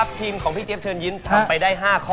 อะมาสรุปกันนิดหนึ่งดีกว่านะฮะ